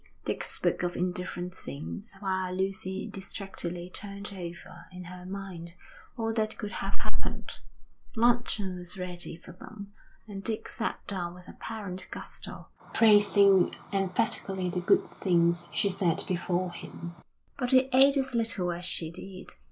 Dick spoke of indifferent things, while Lucy distractedly turned over in her mind all that could have happened. Luncheon was ready for them, and Dick sat down with apparent gusto, praising emphatically the good things she set before him; but he ate as little as she did.